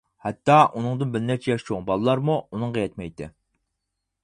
ھەتتا ئۇنىڭدىن بىر نەچچە ياش چوڭ بالىلارمۇ ئۇنىڭغا يەتمەيتتى.